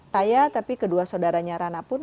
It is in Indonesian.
saya tapi kedua saudaranya rana pun